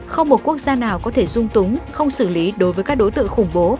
không một quốc gia nào có thể dung túng không xử lý đối với các đối tượng khủng bố